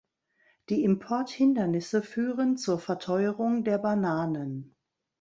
Die Importhindernisse führen zur Verteuerung der Bananen.